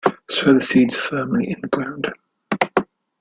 Sow the seeds firmly in the ground.